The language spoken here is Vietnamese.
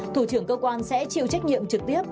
thủ trưởng cơ quan sẽ chịu trách nhiệm trực tiếp